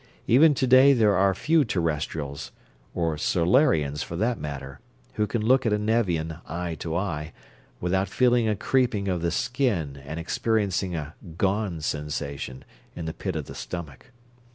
Even to day there are few Terrestrials or Solarians for that matter who can look at a Nevian, eye to eye, without feeling a creeping of the skin and experiencing a "gone" sensation in the pit of the stomach.